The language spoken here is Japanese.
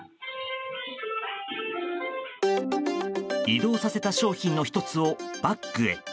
移動させた商品の１つをバッグへ。